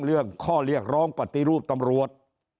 เรื่องข้อเรียกร้องปฏิรูปตำรวจ